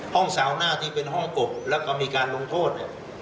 ห้องสาวหน้าที่เป็นห้องกบแล้วก็มีการลงโทษ